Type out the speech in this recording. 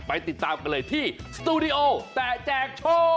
ติดตามกันเลยที่สตูดิโอแต่แจกโชค